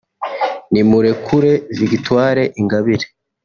Nimurekure Victoire Ingabire)